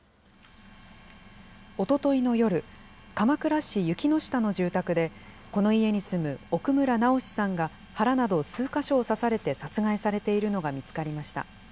おとといの夜、鎌倉市雪ノ下の住宅で、この家に住む奥村直司さんが、腹など数か所を刺されて殺害されているのが見つかりました。